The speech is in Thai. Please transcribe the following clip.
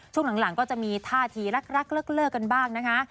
ช่วงหลังก็จะมีท่าทีรักเลิกกันบ้างนะคะ